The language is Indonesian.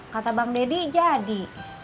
kata bang deddy jadi